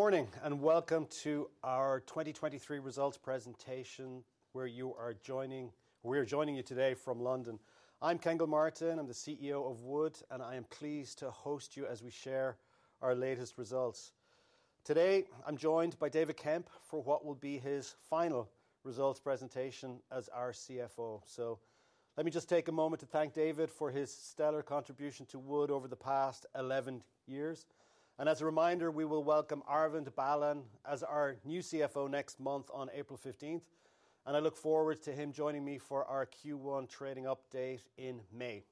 Good morning, and welcome to our 2023 results presentation, where we're joining you today from London. I'm Ken Gilmartin. I'm the CEO of Wood, and I am pleased to host you as we share our latest results. Today, I'm joined by David Kemp for what will be his final results presentation as our CFO. So let me just take a moment to thank David for his stellar contribution to Wood over the past 11 years. And as a reminder, we will welcome Arvind Balan as our new CFO next month on April 15th, and I look forward to him joining me for our Q1 trading update in May.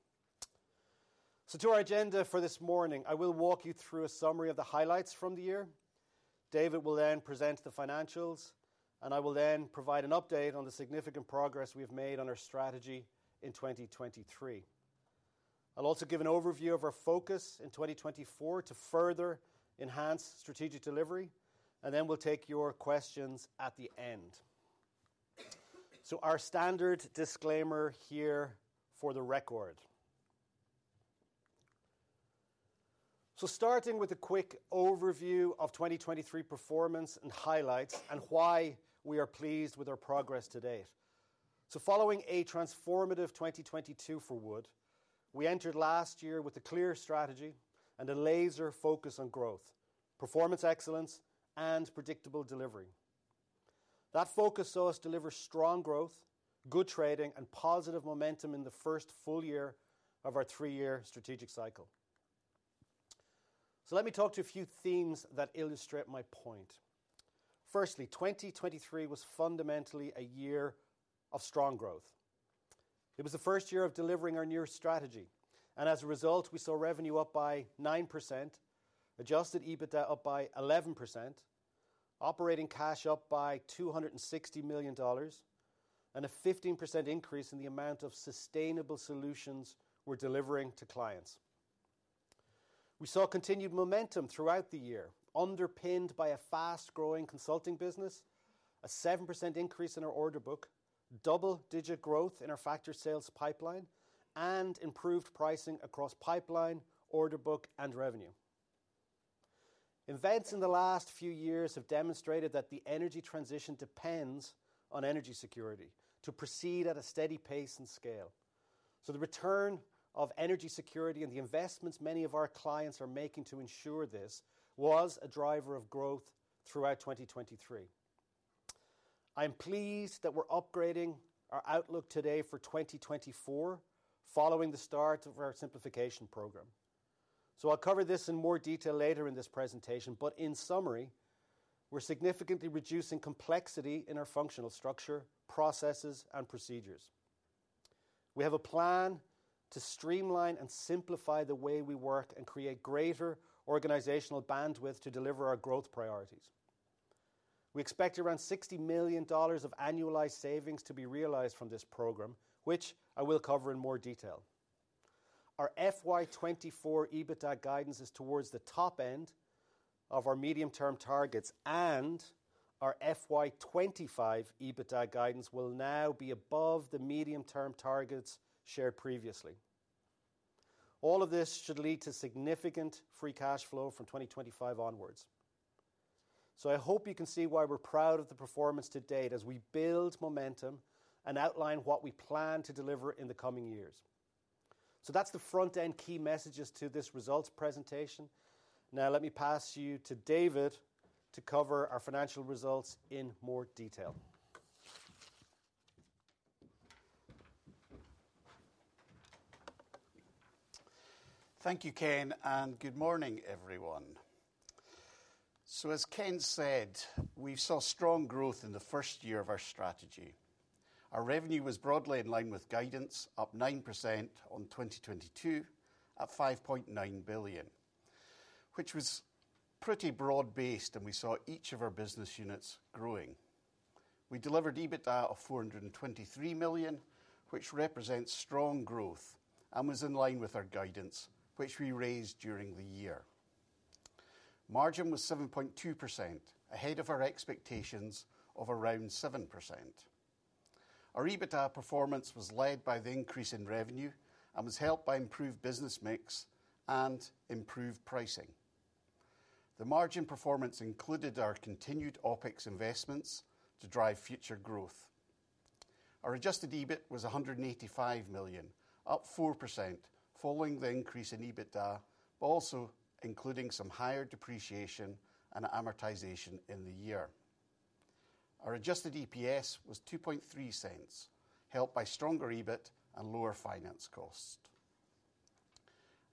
So to our agenda for this morning, I will walk you through a summary of the highlights from the year. David will then present the financials, and I will then provide an update on the significant progress we've made on our strategy in 2023. I'll also give an overview of our focus in 2024 to further enhance strategic delivery, and then we'll take your questions at the end. So our standard disclaimer here for the record. So starting with a quick overview of 2023 performance and highlights and why we are pleased with our progress to date. So following a transformative 2022 for Wood, we entered last year with a clear strategy and a laser focus on growth, performance excellence, and predictable delivery. That focus saw us deliver strong growth, good trading, and positive momentum in the first full year of our three-year strategic cycle. So let me talk to a few themes that illustrate my point. Firstly, 2023 was fundamentally a year of strong growth. It was the first year of delivering our new strategy, and as a result, we saw revenue up by 9%, adjusted EBITDA up by 11%, operating cash up by $260 million, and a 15% increase in the amount of sustainable solutions we're delivering to clients. We saw continued momentum throughout the year, underpinned by a fast-growing consulting business, a 7% increase in our order book, double-digit growth in our factored sales pipeline, and improved pricing across pipeline, order book, and revenue. Events in the last few years have demonstrated that the energy transition depends on energy security to proceed at a steady pace and scale. So the return of energy security and the investments many of our clients are making to ensure this, was a driver of growth throughout 2023. I'm pleased that we're upgrading our outlook today for 2024 following the start of our simplification program. So I'll cover this in more detail later in this presentation, but in summary, we're significantly reducing complexity in our functional structure, processes, and procedures. We have a plan to streamline and simplify the way we work and create greater organizational bandwidth to deliver our growth priorities. We expect around $60 million of annualized savings to be realized from this program, which I will cover in more detail. Our FY 2024 EBITDA guidance is towards the top end of our medium-term targets, and our FY 2025 EBITDA guidance will now be above the medium-term targets shared previously. All of this should lead to significant free cash flow from 2025 onwards. I hope you can see why we're proud of the performance to date as we build momentum and outline what we plan to deliver in the coming years. That's the front-end key messages to this results presentation. Now, let me pass you to David to cover our financial results in more detail. Thank you, Ken, and good morning, everyone. So, as Ken said, we saw strong growth in the first year of our strategy. Our revenue was broadly in line with guidance, up 9% on 2022 at $5.9 billion, which was pretty broad-based, and we saw each of our business units growing. We delivered EBITDA of $423 million, which represents strong growth and was in line with our guidance, which we raised during the year. Margin was 7.2%, ahead of our expectations of around 7%. Our EBITDA performance was led by the increase in revenue and was helped by improved business mix and improved pricing. The margin performance included our continued OpEx investments to drive future growth. Our adjusted EBIT was $185 million, up 4%, following the increase in EBITDA, also including some higher depreciation and amortization in the year. Our adjusted EPS was $2.3, helped by stronger EBIT and lower finance cost.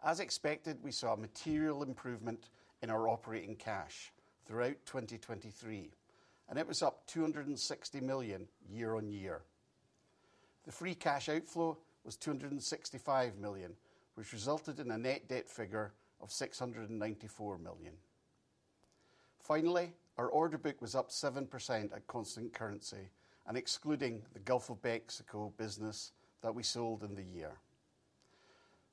As expected, we saw a material improvement in our operating cash throughout 2023, and it was up $260 million year-on-year. The free cash outflow was $265 million, which resulted in a net debt figure of $694 million. Finally, our order book was up 7% at constant currency and excluding the Gulf of Mexico business that we sold in the year.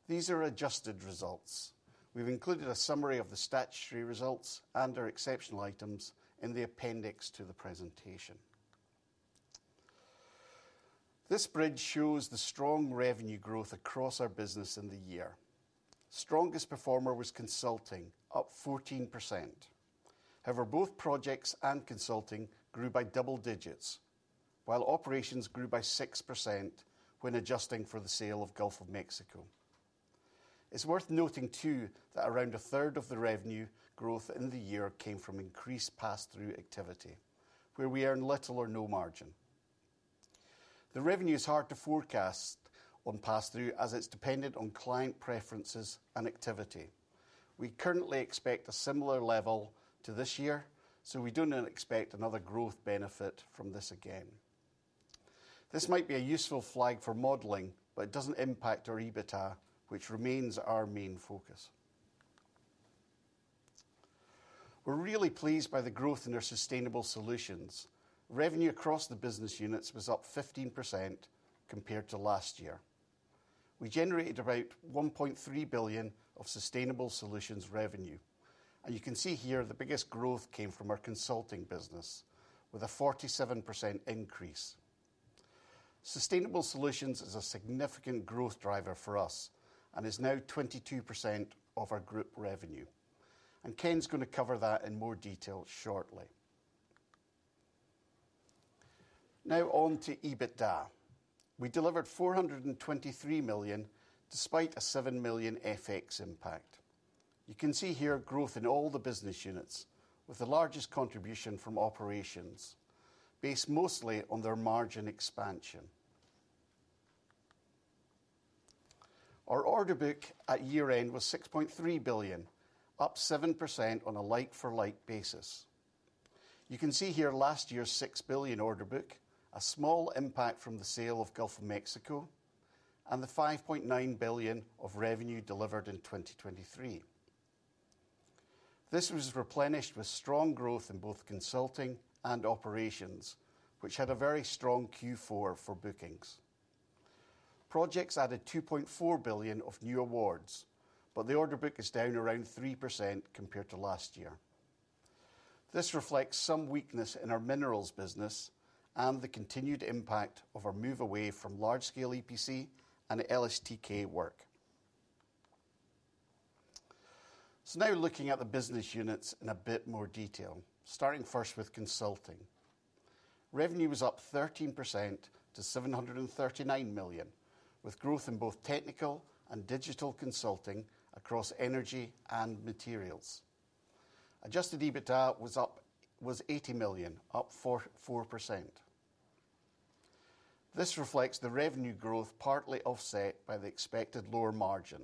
These are adjusted results. We've included a summary of the statutory results and our exceptional items in the appendix to the presentation. This bridge shows the strong revenue growth across our business in the year. Strongest performer was consulting, up 14%. However, both projects and consulting grew by double digits, while operations grew by 6% when adjusting for the sale of Gulf of Mexico. It's worth noting, too, that around a third of the revenue growth in the year came from increased pass-through activity, where we earn little or no margin. The revenue is hard to forecast on pass-through, as it's dependent on client preferences and activity. We currently expect a similar level to this year, so we do not expect another growth benefit from this again. This might be a useful flag for modeling, but it doesn't impact our EBITDA, which remains our main focus. We're really pleased by the growth in our sustainable solutions. Revenue across the business units was up 15% compared to last year. We generated about $1.3 billion of sustainable solutions revenue, and you can see here the biggest growth came from our consulting business with a 47% increase. Sustainable solutions is a significant growth driver for us and is now 22% of our group revenue, and Ken's going to cover that in more detail shortly. Now on to EBITDA. We delivered $423 million, despite a $7 million FX impact. You can see here growth in all the business units, with the largest contribution from operations, based mostly on their margin expansion. Our order book at year-end was $6.3 billion, up 7% on a like-for-like basis. You can see here last year's $6 billion order book, a small impact from the sale of Gulf of Mexico, and the $5.9 billion of revenue delivered in 2023. This was replenished with strong growth in both consulting and operations, which had a very strong Q4 for bookings. Projects added $2.4 billion of new awards, but the order book is down around 3% compared to last year. This reflects some weakness in our minerals business and the continued impact of our move away from large-scale EPC and LSTK work. So now looking at the business units in a bit more detail, starting first with consulting. Revenue was up 13% to $739 million, with growth in both technical and digital consulting across energy and materials. Adjusted EBITDA was up $80 million, up 4%. This reflects the revenue growth, partly offset by the expected lower margin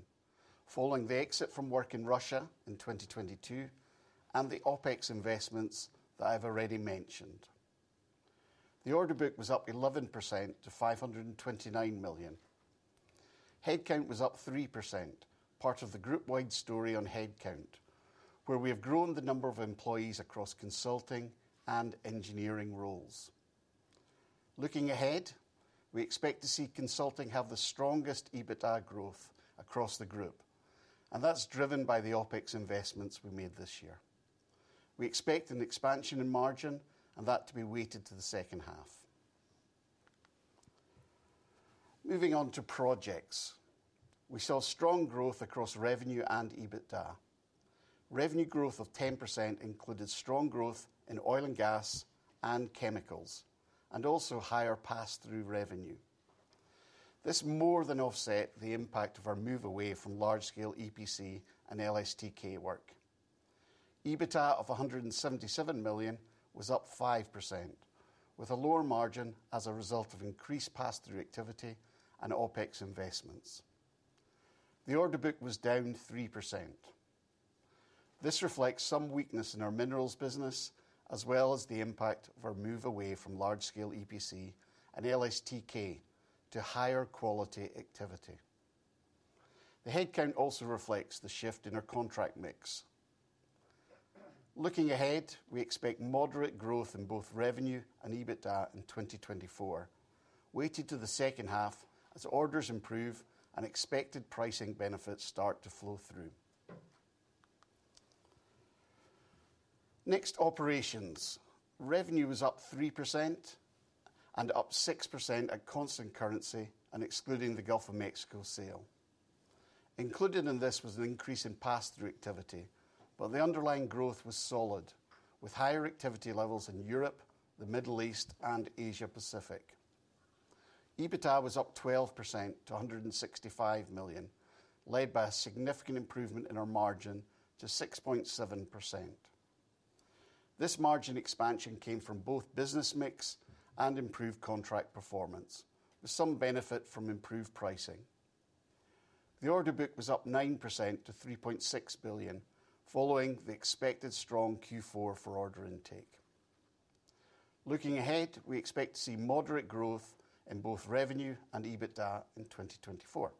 following the exit from work in Russia in 2022 and the OpEx investments that I've already mentioned. The order book was up 11% to $529 million. Headcount was up 3%, part of the group-wide story on headcount, where we have grown the number of employees across consulting and engineering roles. Looking ahead, we expect to see consulting have the strongest EBITDA growth across the group, and that's driven by the OpEx investments we made this year. We expect an expansion in margin and that to be weighted to the second half. Moving on to projects. We saw strong growth across revenue and EBITDA. Revenue growth of 10% included strong growth in oil and gas and chemicals, and also higher passthrough revenue. This more than offset the impact of our move away from large-scale EPC and LSTK work. EBITDA of $177 million was up 5%, with a lower margin as a result of increased passthrough activity and OpEx investments. The order book was down 3%. This reflects some weakness in our minerals business, as well as the impact of our move away from large-scale EPC and LSTK to higher quality activity. The headcount also reflects the shift in our contract mix. Looking ahead, we expect moderate growth in both revenue and EBITDA in 2024, weighted to the second half as orders improve and expected pricing benefits start to flow through. Next, operations. Revenue was up 3% and up 6% at constant currency and excluding the Gulf of Mexico sale. Included in this was an increase in passthrough activity, but the underlying growth was solid, with higher activity levels in Europe, the Middle East, and Asia Pacific. EBITDA was up 12% to $165 million, led by a significant improvement in our margin to 6.7%. This margin expansion came from both business mix and improved contract performance, with some benefit from improved pricing. The order book was up 9% to $3.6 billion, following the expected strong Q4 for order intake. Looking ahead, we expect to see moderate growth in both revenue and EBITDA in 2024.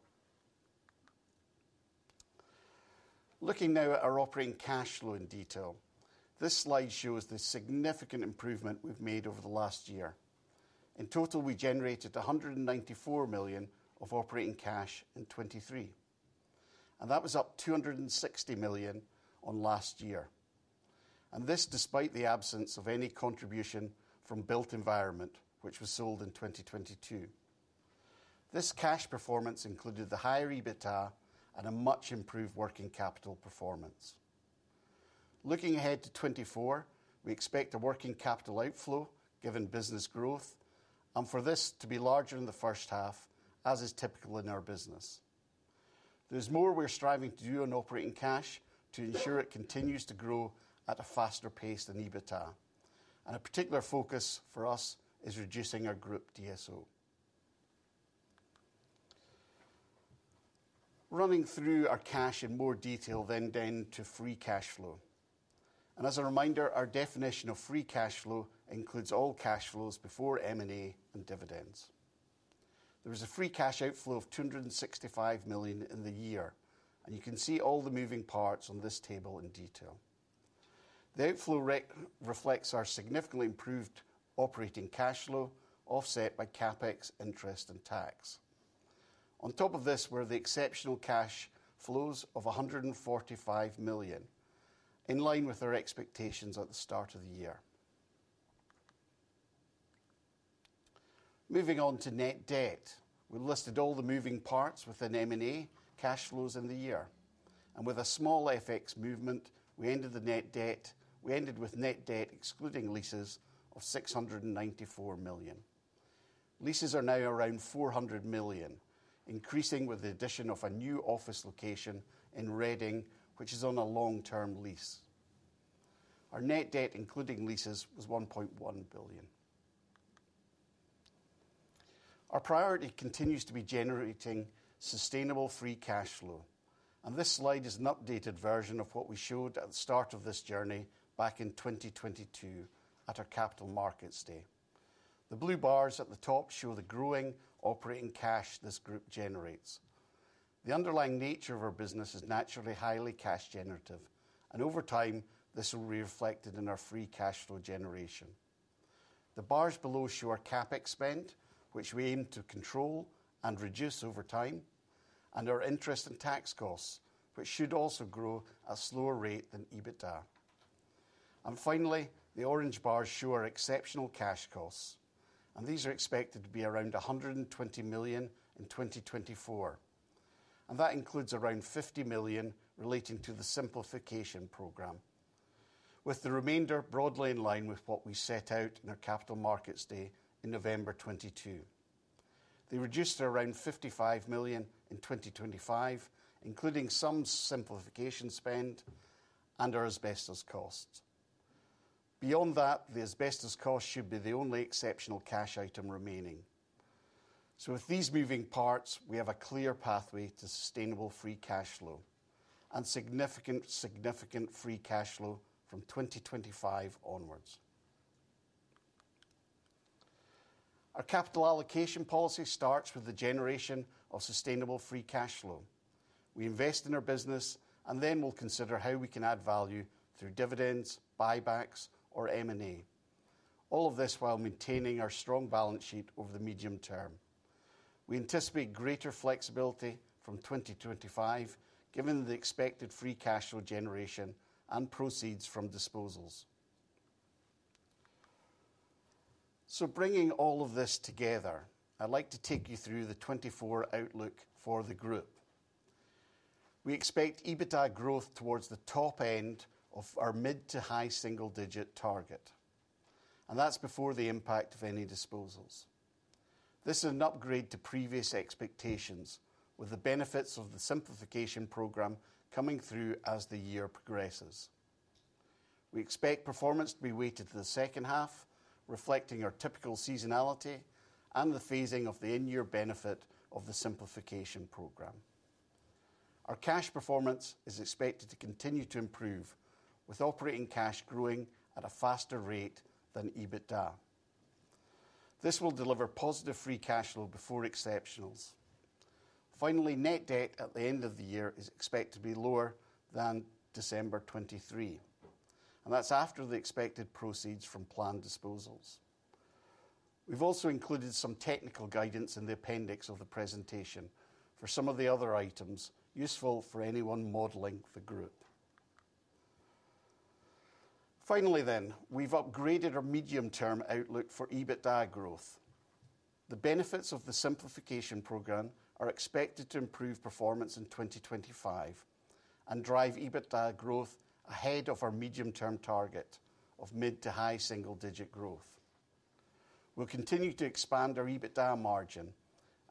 Looking now at our operating cash flow in detail, this slide shows the significant improvement we've made over the last year. In total, we generated $194 million of operating cash in 2023, and that was up $260 million on last year and this despite the absence of any contribution from Built Environment, which was sold in 2022. This cash performance included the higher EBITDA and a much improved working capital performance. Looking ahead to 2024, we expect a working capital outflow, given business growth, and for this to be larger in the first half, as is typical in our business. There's more we're striving to do on operating cash to ensure it continues to grow at a faster pace than EBITDA, and a particular focus for us is reducing our group DSO. Running through our cash in more detail, then down to free cash flow. As a reminder, our definition of free cash flow includes all cash flows before M&A and dividends. There was a free cash outflow of $265 million in the year, and you can see all the moving parts on this table in detail. The outflow reflects our significantly improved operating cash flow, offset by CapEx, interest, and tax. On top of this were the exceptional cash flows of $145 million, in line with our expectations at the start of the year. Moving on to net debt. We listed all the moving parts within M&A cash flows in the year, and with a small FX movement, we ended with net debt, excluding leases, of $694 million. Leases are now around $400 million, increasing with the addition of a new office location in Reading, which is on a long-term lease. Our net debt, including leases, was $1.1 billion. Our priority continues to be generating sustainable free cash flow, and this slide is an updated version of what we showed at the start of this journey back in 2022 at our Capital Markets Day. The blue bars at the top show the growing operating cash this group generates. The underlying nature of our business is naturally highly cash generative, and over time, this will be reflected in our free cash flow generation. The bars below show our CapEx spend, which we aim to control and reduce over time, and our interest and tax costs, which should also grow at a slower rate than EBITDA. Finally, the orange bars show our exceptional cash costs, and these are expected to be around $120 million in 2024, and that includes around $50 million relating to the Simplification program, with the remainder broadly in line with what we set out in our Capital Markets Day in November 2022. They reduced to around $55 million in 2025, including some Simplification spend and our asbestos costs. Beyond that, the asbestos cost should be the only exceptional cash item remaining. So with these moving parts, we have a clear pathway to sustainable free cash flow and significant, significant free cash flow from 2025 onwards. Our capital allocation policy starts with the generation of sustainable free cash flow. We invest in our business, and then we'll consider how we can add value through dividends, buybacks, or M&A. All of this while maintaining our strong balance sheet over the medium term. We anticipate greater flexibility from 2025, given the expected free cash flow generation and proceeds from disposals. So bringing all of this together, I'd like to take you through the 2024 outlook for the group. We expect EBITDA growth towards the top end of our mid to high single digit target, and that's before the impact of any disposals. This is an upgrade to previous expectations, with the benefits of the Simplification program coming through as the year progresses. We expect performance to be weighted to the second half, reflecting our typical seasonality and the phasing of the in-year benefit of the Simplification program. Our cash performance is expected to continue to improve, with operating cash growing at a faster rate than EBITDA. This will deliver positive free cash flow before exceptionals. Finally, net debt at the end of the year is expected to be lower than December 2023, and that's after the expected proceeds from planned disposals. We've also included some technical guidance in the appendix of the presentation for some of the other items, useful for anyone modeling the group. Finally, then, we've upgraded our medium-term outlook for EBITDA growth. The benefits of the Simplification program are expected to improve performance in 2025 and drive EBITDA growth ahead of our medium-term target of mid- to high single-digit growth. We'll continue to expand our EBITDA margin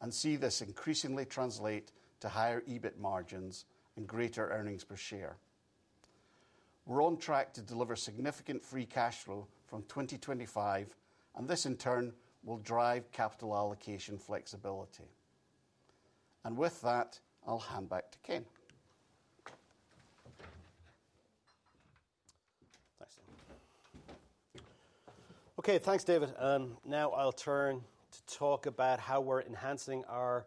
and see this increasingly translate to higher EBIT margins and greater earnings per share. We're on track to deliver significant free cash flow from 2025, and this in turn will drive capital allocation flexibility. With that, I'll hand back to Ken. Thanks. Okay, thanks, David. Now I'll turn to talk about how we're enhancing our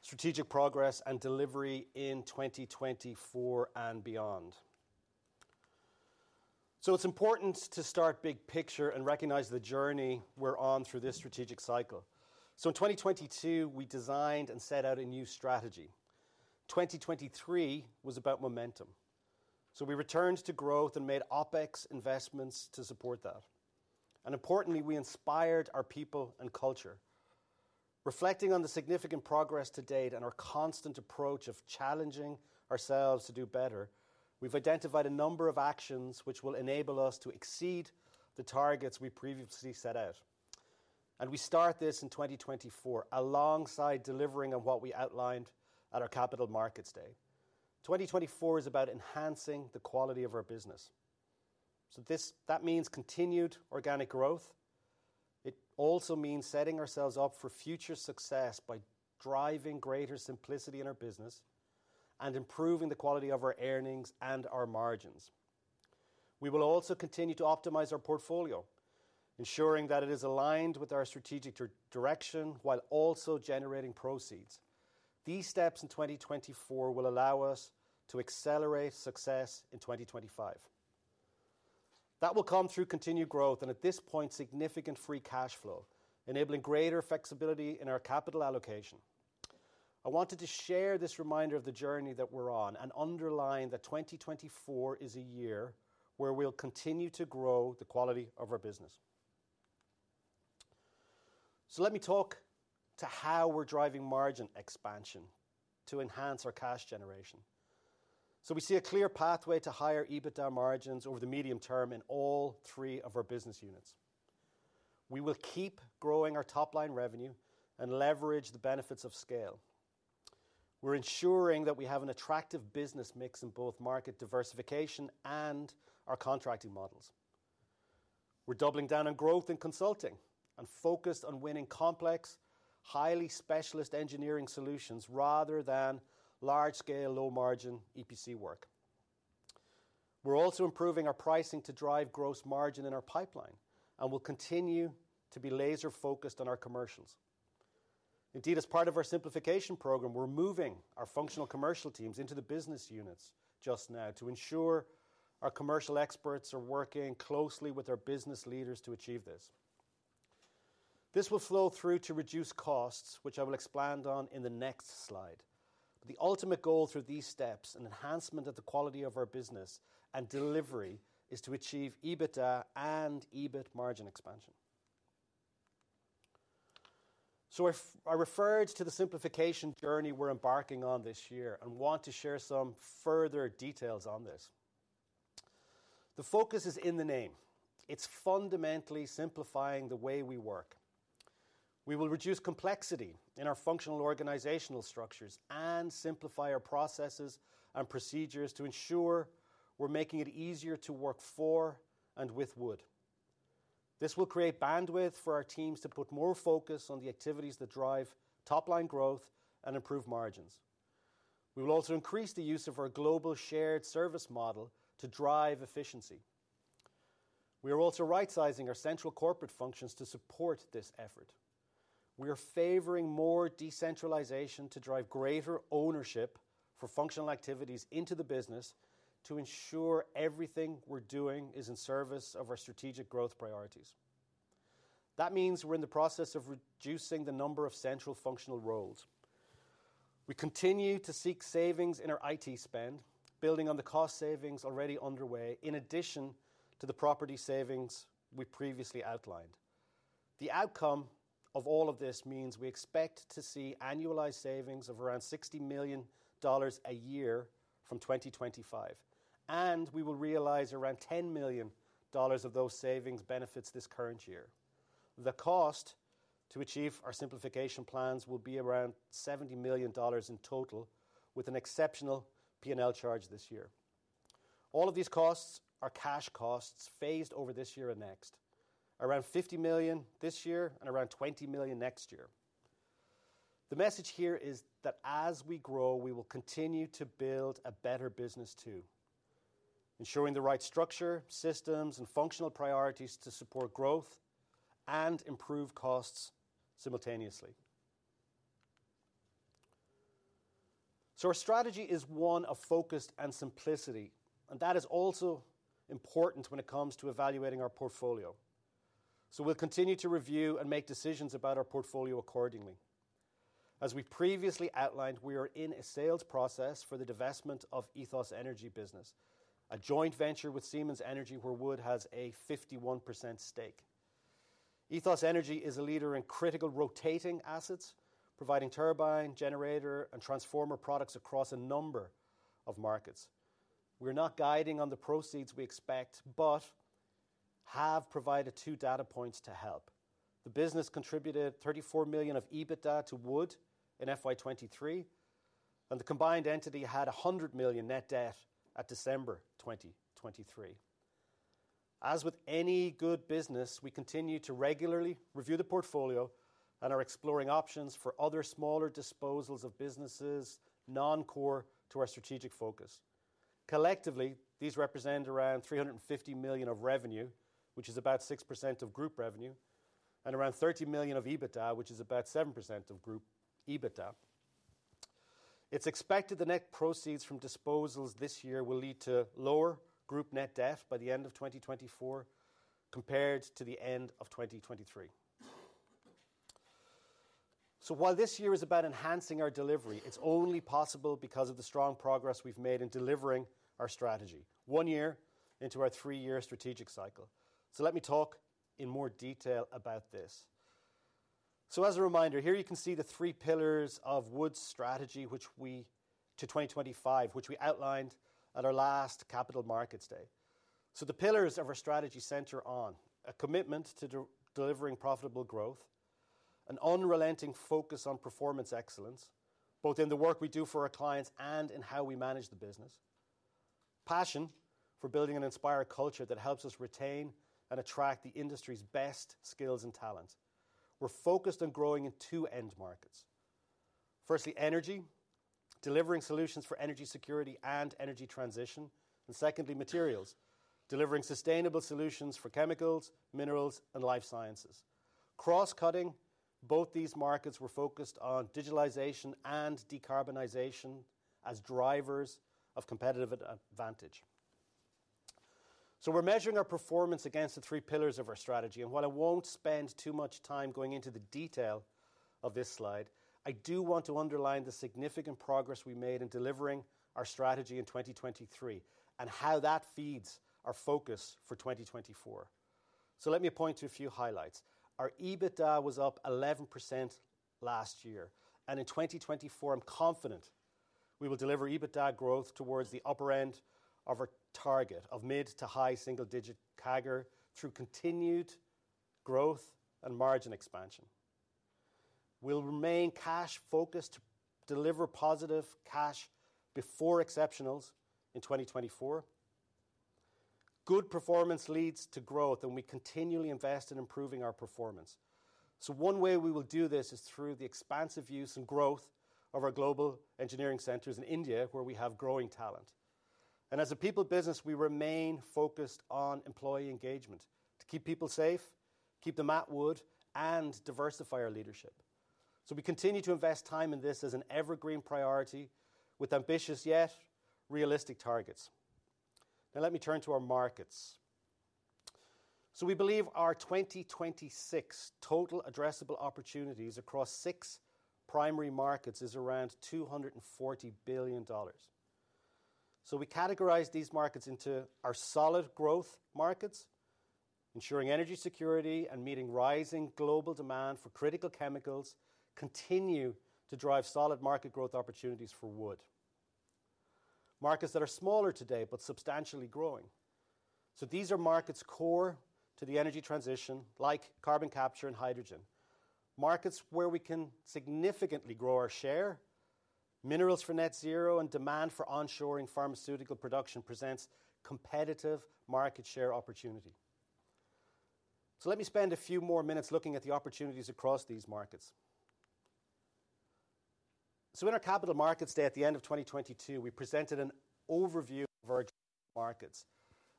strategic progress and delivery in 2024 and beyond. So it's important to start big picture and recognize the journey we're on through this strategic cycle. So in 2022, we designed and set out a new strategy. 2023 was about momentum. So we returned to growth and made OpEx investments to support that, and importantly, we inspired our people and culture. Reflecting on the significant progress to date and our constant approach of challenging ourselves to do better, we've identified a number of actions which will enable us to exceed the targets we previously set out. And we start this in 2024, alongside delivering on what we outlined at our Capital Markets Day. 2024 is about enhancing the quality of our business. So that means continued organic growth. It also means setting ourselves up for future success by driving greater simplicity in our business and improving the quality of our earnings and our margins. We will also continue to optimize our portfolio, ensuring that it is aligned with our strategic direction, while also generating proceeds. These steps in 2024 will allow us to accelerate success in 2025. That will come through continued growth and, at this point, significant free cash flow, enabling greater flexibility in our capital allocation. I wanted to share this reminder of the journey that we're on and underline that 2024 is a year where we'll continue to grow the quality of our business. So let me talk to how we're driving margin expansion to enhance our cash generation. So we see a clear pathway to higher EBITDA margins over the medium term in all three of our business units. We will keep growing our top-line revenue and leverage the benefits of scale. We're ensuring that we have an attractive business mix in both market diversification and our contracting models. We're doubling down on growth in consulting and focused on winning complex, highly specialist engineering solutions rather than large-scale, low-margin EPC work. We're also improving our pricing to drive gross margin in our pipeline and will continue to be laser-focused on our commercials. Indeed, as part of our simplification program, we're moving our functional commercial teams into the business units just now to ensure our commercial experts are working closely with our business leaders to achieve this. This will flow through to reduced costs, which I will expand on in the next slide. The ultimate goal through these steps and enhancement of the quality of our business and delivery is to achieve EBITDA and EBIT margin expansion. So I referred to the simplification journey we're embarking on this year and want to share some further details on this. The focus is in the name. It's fundamentally simplifying the way we work. We will reduce complexity in our functional organizational structures and simplify our processes and procedures to ensure we're making it easier to work for and with Wood. This will create bandwidth for our teams to put more focus on the activities that drive top-line growth and improve margins. We will also increase the use of our global shared service model to drive efficiency. We are also rightsizing our central corporate functions to support this effort. We are favoring more decentralization to drive greater ownership for functional activities into the business to ensure everything we're doing is in service of our strategic growth priorities. That means we're in the process of reducing the number of central functional roles. We continue to seek savings in our IT spend, building on the cost savings already underway, in addition to the property savings we previously outlined. The outcome of all of this means we expect to see annualized savings of around $60 million a year from 2025, and we will realize around $10 million of those savings benefits this current year. The cost to achieve our simplification plans will be around $70 million in total, with an exceptional P&L charge this year. All of these costs are cash costs phased over this year and next, around $50 million this year and around $20 million next year. The message here is that as we grow, we will continue to build a better business, too, ensuring the right structure, systems, and functional priorities to support growth and improve costs simultaneously. So our strategy is one of focus and simplicity, and that is also important when it comes to evaluating our portfolio. So we'll continue to review and make decisions about our portfolio accordingly. As we previously outlined, we are in a sales process for the divestment of EthosEnergy business, a joint venture with Siemens Energy, where Wood has a 51% stake. EthosEnergy is a leader in critical rotating assets, providing turbine, generator, and transformer products across a number of markets. We're not guiding on the proceeds we expect but have provided two data points to help. The business contributed $34 million of EBITDA to Wood in FY 2023, and the combined entity had $100 million net debt at December 2023. As with any good business, we continue to regularly review the portfolio and are exploring options for other smaller disposals of businesses non-core to our strategic focus. Collectively, these represent around $350 million of revenue, which is about 6% of group revenue, and around $30 million of EBITDA, which is about 7% of group EBITDA. It's expected the net proceeds from disposals this year will lead to lower group net debt by the end of 2024 compared to the end of 2023. So while this year is about enhancing our delivery, it's only possible because of the strong progress we've made in delivering our strategy one year into our three-year strategic cycle. So let me talk in more detail about this. So as a reminder, here you can see the three pillars of Wood's strategy, which we to 2025, which we outlined at our last Capital Markets Day. So the pillars of our strategy center on, a commitment to delivering profitable growth, an unrelenting focus on performance excellence, both in the work we do for our clients and in how we manage the business, passion for building an inspired culture that helps us retain and attract the industry's best skills and talent. We're focused on growing in two end markets. Firstly, energy, delivering solutions for energy security and energy transition. And secondly, materials, delivering sustainable solutions for chemicals, minerals, and life sciences. Cross-cutting both these markets, we're focused on digitalization and decarbonization as drivers of competitive advantage. So we're measuring our performance against the three pillars of our strategy, and while I won't spend too much time going into the detail of this slide, I do want to underline the significant progress we made in delivering our strategy in 2023 and how that feeds our focus for 2024. So let me point to a few highlights. Our EBITDA was up 11% last year, and in 2024, I'm confident we will deliver EBITDA growth towards the upper end of our target of mid- to high single-digit CAGR through continued growth and margin expansion. We'll remain cash-focused to deliver positive cash before exceptionals in 2024. Good performance leads to growth, and we continually invest in improving our performance. So one way we will do this is through the expansive use and growth of our global engineering centers in India, where we have growing talent. As a people business, we remain focused on employee engagement to keep people safe, keep them at Wood, and diversify our leadership. We continue to invest time in this as an evergreen priority with ambitious yet realistic targets. Now let me turn to our markets. We believe our 2026 total addressable opportunities across six primary markets is around $240 billion. We categorize these markets into our solid growth markets, ensuring energy security and meeting rising global demand for critical chemicals continue to drive solid market growth opportunities for Wood. Markets that are smaller today but substantially growing. These are markets core to the energy transition, like carbon capture and hydrogen. Markets where we can significantly grow our share, minerals for Net Zero and demand for onshoring pharmaceutical production presents competitive market share opportunity. So let me spend a few more minutes looking at the opportunities across these markets. So in our Capital Markets Day at the end of 2022, we presented an overview of our markets,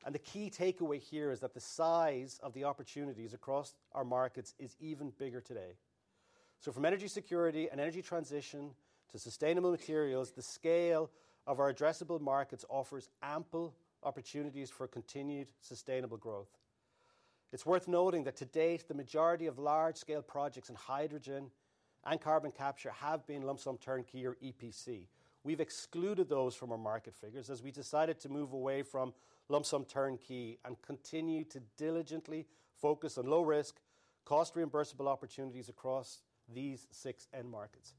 and the key takeaway here is that the size of the opportunities across our markets is even bigger today. So from energy security and energy transition to sustainable materials, the scale of our addressable markets offers ample opportunities for continued sustainable growth. It's worth noting that to date, the majority of large-scale projects in hydrogen and carbon capture have been lump sum turnkey or EPC. We've excluded those from our market figures as we decided to move away from lump sum turnkey and continue to diligently focus on low risk, cost-reimbursable opportunities across these six end markets.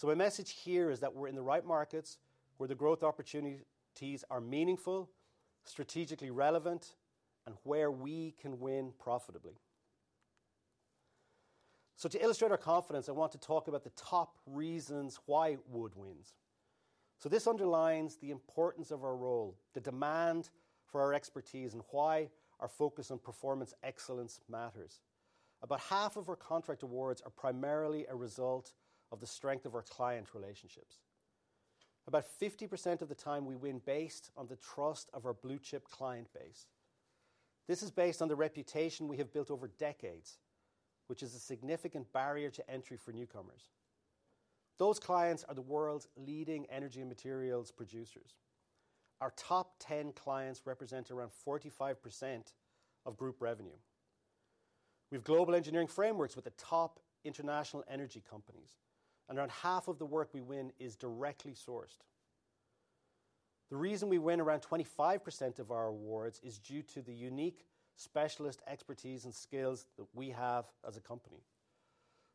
So my message here is that we're in the right markets where the growth opportunities are meaningful, strategically relevant, and where we can win profitably. So to illustrate our confidence, I want to talk about the top reasons why Wood wins. So this underlines the importance of our role, the demand for our expertise, and why our focus on performance excellence matters. About half of our contract awards are primarily a result of the strength of our client relationships. About 50% of the time we win based on the trust of our blue-chip client base. This is based on the reputation we have built over decades, which is a significant barrier to entry for newcomers. Those clients are the world's leading energy and materials producers. Our top 10 clients represent around 45% of group revenue. We have global engineering frameworks with the top international energy companies, and around half of the work we win is directly sourced. The reason we win around 25% of our awards is due to the unique specialist expertise and skills that we have as a company.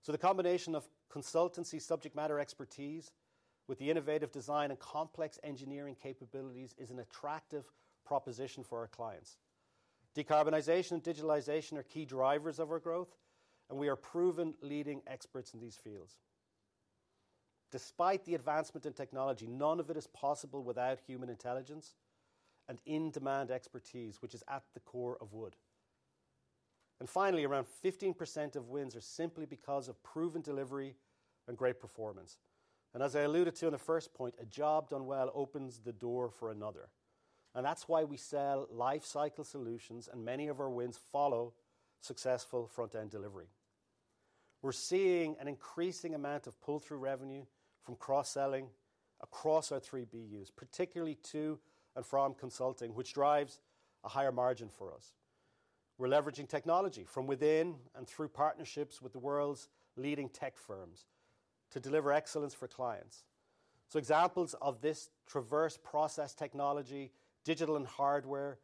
The combination of consultancy subject matter expertise with the innovative design and complex engineering capabilities is an attractive proposition for our clients. Decarbonization and Digitalization are key drivers of our growth, and we are proven leading experts in these fields. Despite the advancement in technology, none of it is possible without human intelligence and in-demand expertise, which is at the core of Wood. Finally, around 15% of wins are simply because of proven delivery and great performance. As I alluded to in the first point, a job done well opens the door for another, and that's why we sell lifecycle solutions, and many of our wins follow successful front-end delivery. We're seeing an increasing amount of pull-through revenue from cross-selling across our three BUs, particularly to and from consulting, which drives a higher margin for us. We're leveraging technology from within and through partnerships with the world's leading tech firms to deliver excellence for clients. So examples of this traverse process technology, digital and hardware.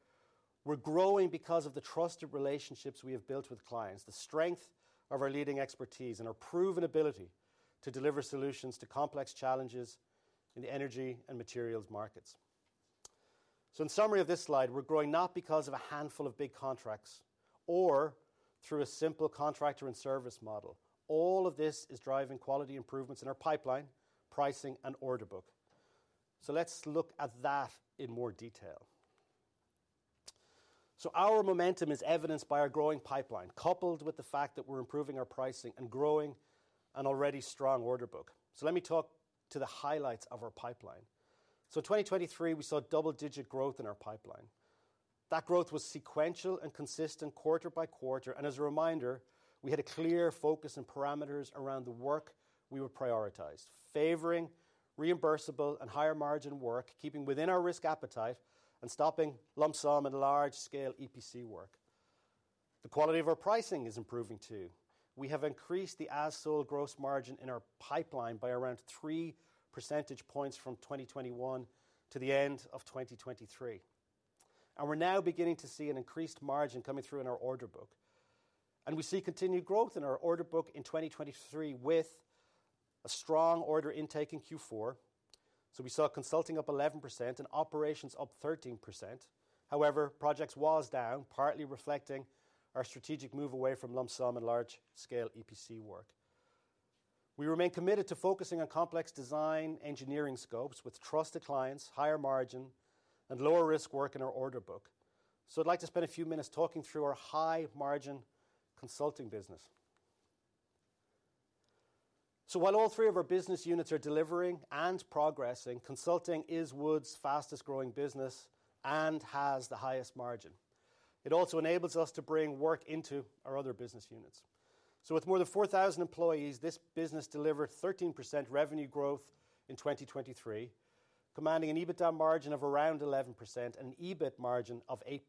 We're growing because of the trusted relationships we have built with clients, the strength of our leading expertise, and our proven ability to deliver solutions to complex challenges in energy and materials markets. So in summary of this slide, we're growing not because of a handful of big contracts or through a simple contractor and service model. All of this is driving quality improvements in our pipeline, pricing, and order book. So let's look at that in more detail. So our momentum is evidenced by our growing pipeline, coupled with the fact that we're improving our pricing and growing an already strong order book. So let me talk to the highlights of our pipeline. So 2023, we saw double-digit growth in our pipeline. That growth was sequential and consistent quarter by quarter, and as a reminder, we had a clear focus and parameters around the work we were prioritized, favoring reimbursable and higher-margin work, keeping within our risk appetite and stopping lump sum and large-scale EPC work. The quality of our pricing is improving, too. We have increased the as-sold gross margin in our pipeline by around three percentage points from 2021 to the end of 2023, and we're now beginning to see an increased margin coming through in our order book. We see continued growth in our order book in 2023, with a strong order intake in Q4. We saw consulting up 11% and operations up 13%. However, projects was down, partly reflecting our strategic move away from lump sum and large-scale EPC work. We remain committed to focusing on complex design engineering scopes with trusted clients, higher margin, and lower-risk work in our order book. I'd like to spend a few minutes talking through our high-margin consulting business. While all three of our business units are delivering and progressing, consulting is Wood's fastest-growing business and has the highest margin. It also enables us to bring work into our other business units. So with more than 4,000 employees, this business delivered 13% revenue growth in 2023, commanding an EBITDA margin of around 11% and an EBIT margin of 8%.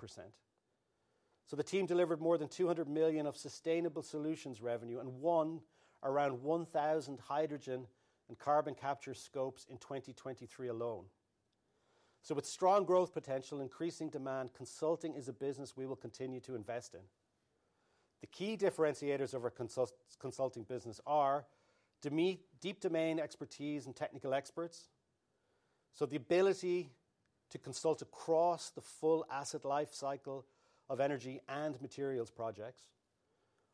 So the team delivered more than $200 million of sustainable solutions revenue and won around 1,000 hydrogen and carbon capture scopes in 2023 alone. So with strong growth potential, increasing demand, consulting is a business we will continue to invest in. The key differentiators of our consulting business are domain, deep domain expertise and technical experts, so the ability to consult across the full asset life cycle of energy and materials projects.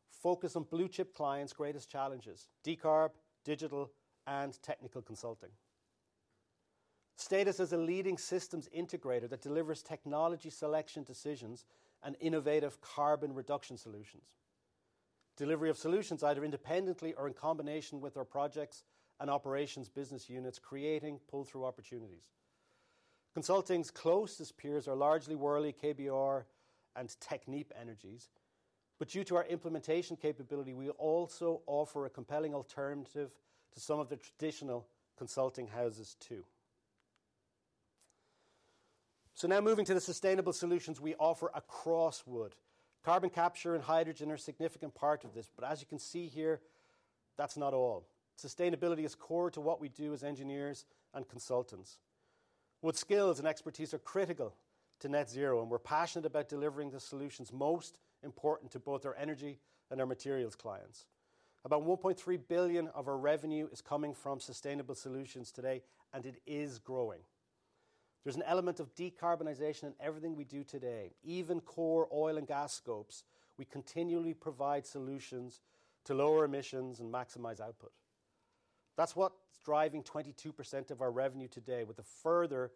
Focus on blue-chip clients' greatest challenges: decarb, digital, and technical consulting. Status as a leading systems integrator that delivers technology selection decisions and innovative carbon reduction solutions. Delivery of solutions either independently or in combination with our projects and operations business units, creating pull-through opportunities. Consulting's closest peers are largely Worley, KBR, and Technip Energies, but due to our implementation capability, we also offer a compelling alternative to some of the traditional consulting houses, too. Now moving to the sustainable solutions we offer across Wood. Carbon capture and hydrogen are a significant part of this, but as you can see here, that's not all. Sustainability is core to what we do as engineers and consultants. Wood's skills and expertise are critical to Net Zero, and we're passionate about delivering the solutions most important to both our energy and our materials clients. About $1.3 billion of our revenue is coming from sustainable solutions today, and it is growing. There's an element of decarbonization in everything we do today, even core oil and gas scopes. We continually provide solutions to lower emissions and maximize output. That's what's driving 22% of our revenue today, with a further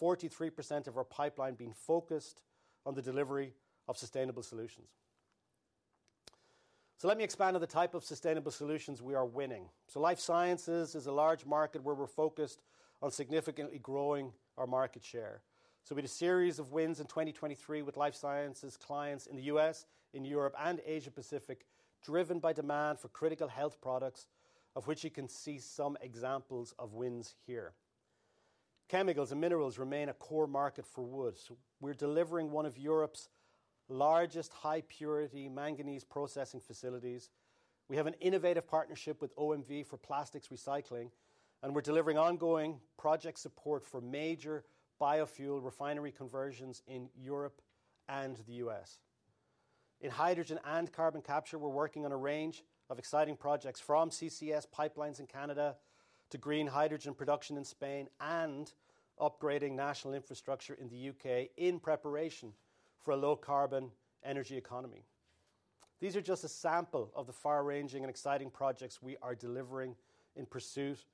43% of our pipeline being focused on the delivery of sustainable solutions. So let me expand on the type of sustainable solutions we are winning. So life sciences is a large market where we're focused on significantly growing our market share. So we had a series of wins in 2023 with life sciences clients in the U.S., in Europe, and Asia Pacific, driven by demand for critical health products, of which you can see some examples of wins here. Chemicals and minerals remain a core market for Wood. We're delivering one of Europe's largest high-purity manganese processing facilities. We have an innovative partnership with OMV for plastics recycling, and we're delivering ongoing project support for major biofuel refinery conversions in Europe and the U.S.. In hydrogen and carbon capture, we're working on a range of exciting projects, from CCS pipelines in Canada to green hydrogen production in Spain and upgrading national infrastructure in the U.K. in preparation for a low-carbon energy economy. These are just a sample of the far-ranging and exciting projects we are delivering in pursuit of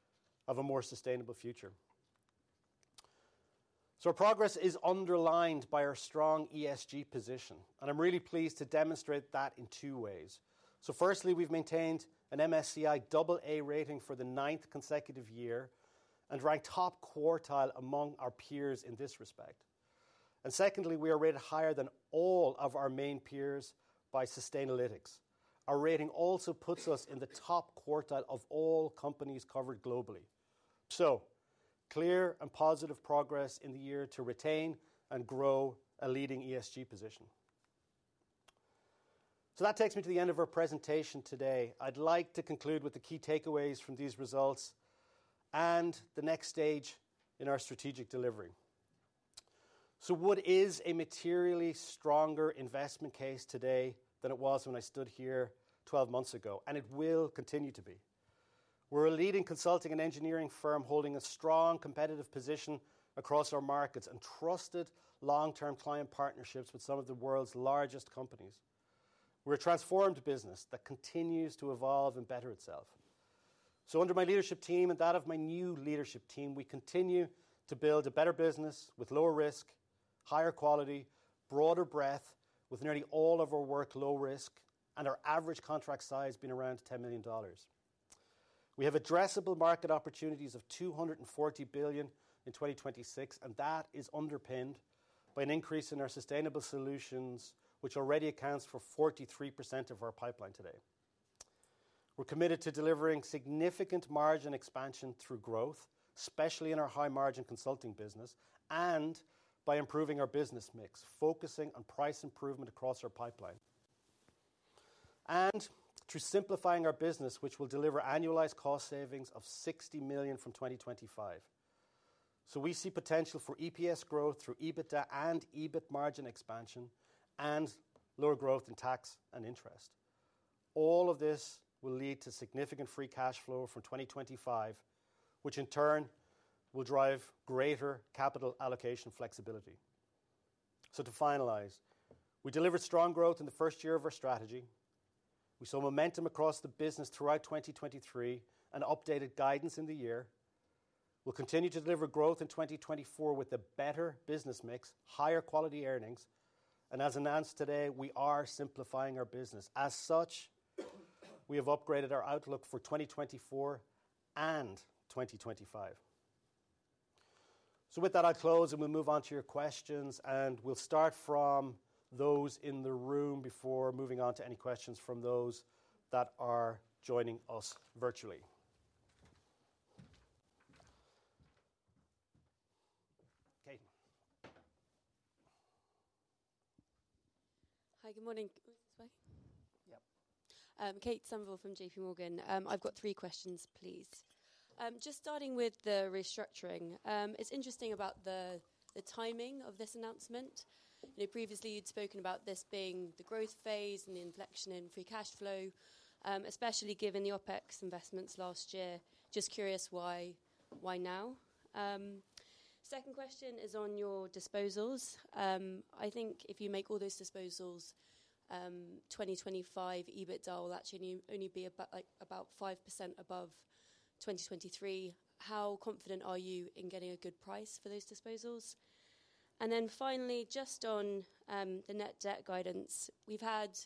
a more sustainable future. Our progress is underlined by our strong ESG position, and I'm really pleased to demonstrate that in two ways. Firstly, we've maintained an MSCI double A rating for the ninth consecutive year and rank top quartile among our peers in this respect. And secondly, we are rated higher than all of our main peers by Sustainalytics. Our rating also puts us in the top quartile of all companies covered globally. Clear and positive progress in the year to retain and grow a leading ESG position. That takes me to the end of our presentation today. I'd like to conclude with the key takeaways from these results and the next stage in our strategic delivery. What is a materially stronger investment case today than it was when I stood here 12 months ago? It will continue to be. We're a leading consulting and engineering firm, holding a strong competitive position across our markets and trusted long-term client partnerships with some of the world's largest companies. We're a transformed business that continues to evolve and better itself. So under my leadership team and that of my new leadership team, we continue to build a better business with lower risk, higher quality, broader breadth, with nearly all of our work low risk, and our average contract size being around $10 million. We have addressable market opportunities of $240 billion in 2026, and that is underpinned by an increase in our sustainable solutions, which already accounts for 43% of our pipeline today. We're committed to delivering significant margin expansion through growth, especially in our high-margin consulting business, and by improving our business mix, focusing on price improvement across our pipeline. Through simplifying our business, which will deliver annualized cost savings of $60 million from 2025. So we see potential for EPS growth through EBITDA and EBIT margin expansion and lower growth in tax and interest. All of this will lead to significant free cash flow from 2025, which in turn will drive greater capital allocation flexibility. So to finalize, we delivered strong growth in the first year of our strategy. We saw momentum across the business throughout 2023 and updated guidance in the year. We'll continue to deliver growth in 2024 with a better business mix, higher quality earnings, and as announced today, we are simplifying our business. As such, we have upgraded our outlook for 2024 and 2025. With that, I'll close, and we'll move on to your questions, and we'll start from those in the room before moving on to any questions from those that are joining us virtually. Kate? Hi, good morning. This way? Yeah. Kate Somerville from J.P. Morgan. I've got three questions, please. Just starting with the restructuring. It's interesting about the, the timing of this announcement. You know, previously you'd spoken about this being the growth phase and the inflection in free cash flow, especially given the OpEx investments last year. Just curious, why, why now? Second question is on your disposals. I think if you make all those disposals, 2025 EBITDA will actually only be about, like, about 5% above 2023. How confident are you in getting a good price for those disposals? And then finally, just on the net debt guidance, we've had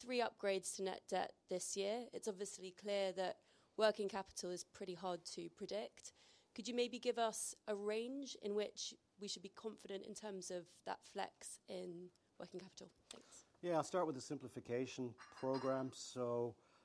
three upgrades to net debt this year. It's obviously clear that working capital is pretty hard to predict. Could you maybe give us a range in which we should be confident in terms of that flex in working capital? Thanks. Yeah. I'll start with the simplification program.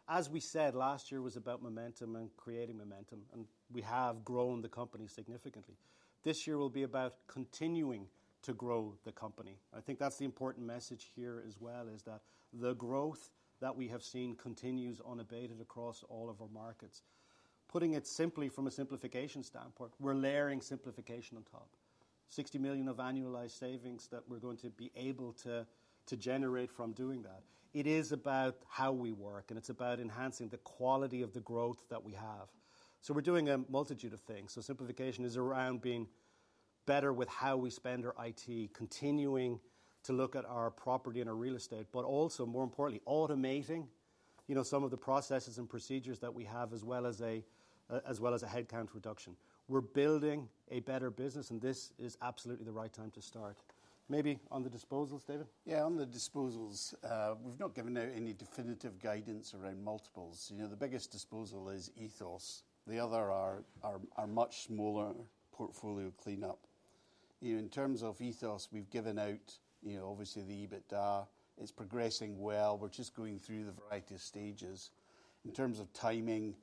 As we said, last year was about momentum and creating momentum, and we have grown the company significantly. This year will be about continuing to grow the company. I think that's the important message here as well, is that the growth that we have seen continues unabated across all of our markets. Putting it simply from a simplification standpoint, we're layering simplification on top. $60 million of annualized savings that we're going to be able to generate from doing that. It is about how we work, and it's about enhancing the quality of the growth that we have. We're doing a multitude of things. So simplification is around being better with how we spend our IT, continuing to look at our property and our real estate, but also, more importantly, automating, you know, some of the processes and procedures that we have, as well as a, as well as a headcount reduction. We're building a better business, and this is absolutely the right time to start. Maybe on the disposals, David? Yeah, on the disposals, we've not given out any definitive guidance around multiples. You know, the biggest disposal is Ethos. The other are much smaller portfolio cleanup. You know, in terms of Ethos, we've given out, you know, obviously, the EBITDA. It's progressing well. We're just going through the variety of stages. In terms of timing,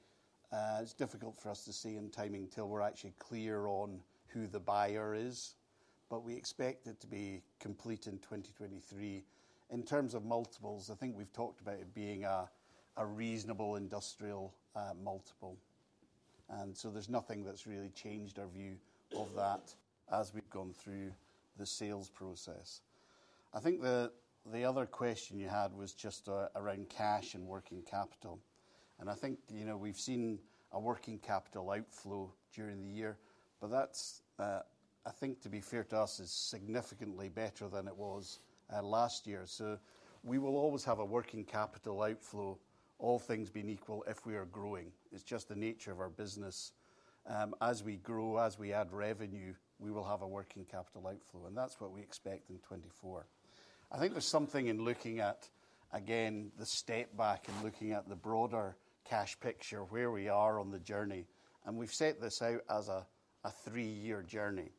it's difficult for us to say on timing till we're actually clear on who the buyer is, but we expect it to be complete in 2023. In terms of multiples, I think we've talked about it being a reasonable industrial multiple, and so there's nothing that's really changed our view of that as we've gone through the sales process. I think the other question you had was just around cash and working capital, and I think, you know, we've seen a working capital outflow during the year, but that's, I think to be fair to us, is significantly better than it was last year. So we will always have a working capital outflow, all things being equal, if we are growing. It's just the nature of our business. As we grow, as we add revenue, we will have a working capital outflow, and that's what we expect in 2024. I think there's something in looking at, again, the step back and looking at the broader cash picture, where we are on the journey, and we've set this out as a three-year journey.